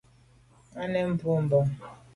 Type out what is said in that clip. À nèn boa bon.